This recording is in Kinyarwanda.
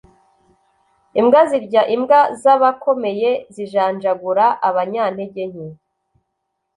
imbwa zirya imbwa, zabakomeye zijanjagura abanyantege nke